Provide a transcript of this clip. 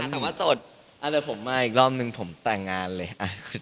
แต่ว่าสดอะไรผมมาอีกรอบนึงผมแต่งงานเลย